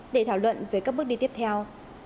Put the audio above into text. để thảo luận về các bước đi tiếp theo